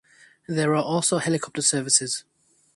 There are also helicopter services.